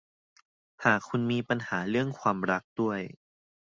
หากคุณมีปัญหาเรื่องความรักด้วย